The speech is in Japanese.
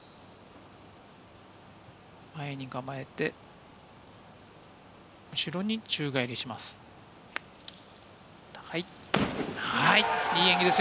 前に構えて、後ろに宙返りします。